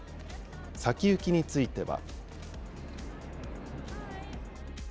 先行きについては。